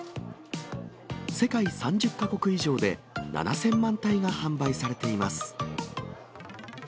世界３０か国以上で７０００万体が販売されています。